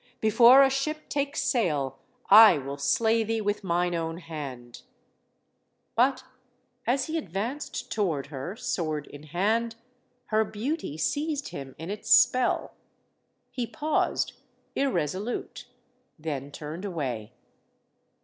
Before a ship takes sail, I will slay thee with mine own hand I" But, as he advanced toward her, sword in hand, her beauty seized him in its spell. He paused, irreso lute, then turned away.